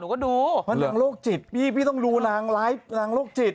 ไอจีมมันร่วงจิต